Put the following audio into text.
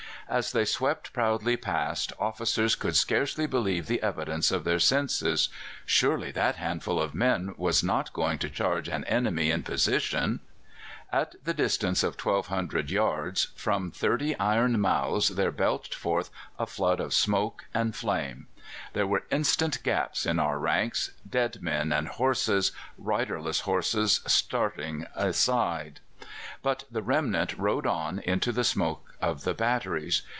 As they swept proudly past, officers could scarcely believe the evidence of their senses. Surely that handful of men are not going to charge an army in position! At the distance of 1,200 yards from thirty iron mouths there belched forth a flood of smoke and flame. There were instant gaps in our ranks dead men and horses, riderless horses starting aside but the remnant rode on into the smoke of the batteries.